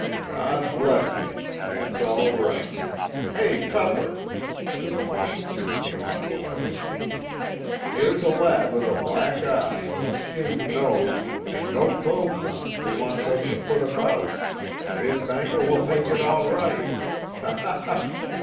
"God bless me, that's all right. Hey, Tupper,"—to the mate, who came up while I was speaking—"here's a lad with a black eye, a skinned nose, and no clothes on, who wants us to put about—and his banker will make it all right. Ha—ha—ha!"